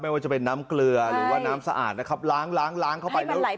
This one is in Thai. ว่าจะเป็นน้ำเกลือหรือว่าน้ำสะอาดนะครับล้างล้างเข้าไปแล้ว